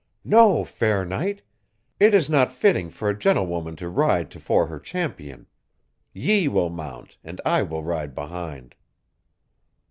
"No, fair knight, it is not fitting for a gentlewoman to ride tofore her champion. Ye will mount, and I will ride behind."